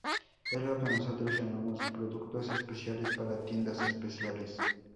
Es lo que nosotros llamamos 'productos especiales para tiendas especiales'".